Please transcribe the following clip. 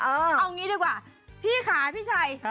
เอางี้ดีกว่าพี่ค่ะพี่ชัย